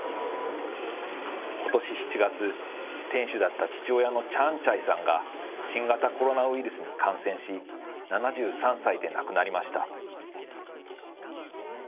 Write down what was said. ことし７月、店主だった父親のチャーンチャイさんが新型コロナウイルスに感染し、７３歳で亡くなりました。